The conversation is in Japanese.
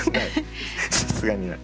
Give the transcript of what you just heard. さすがにない。